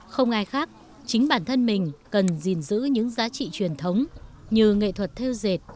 không ai khác chính bản thân mình cần gìn giữ những giá trị truyền thống như nghệ thuật theo dệt